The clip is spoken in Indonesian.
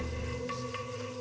kami permisi dahulu